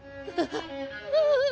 ああ。